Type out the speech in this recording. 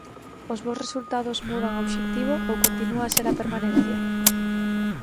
Os bos resultados mudan o obxectivo ou continúa a ser a permanencia?